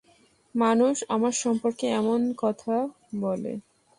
মানুষ আমার সম্পর্কে এমন কথা বলে?